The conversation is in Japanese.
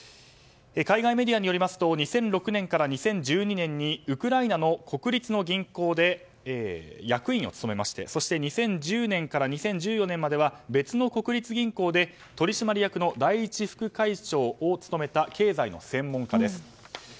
海外メディアによりますと２００６年から２０１２年にウクライナの国立の銀行で役員を務めまして２０１０年から２０１４年までは別の国立銀行で取締役の第一副会長を務めた経済の専門家です。